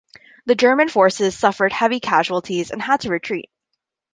The German forces suffered heavy casualties and had to retreat.